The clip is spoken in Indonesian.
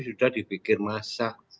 sudah dipikir masa